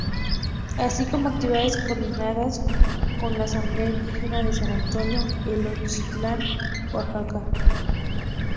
Así como actividades coordinadas con la Asamblea Indígena de San Antonio Eloxochitlán, Oaxaca.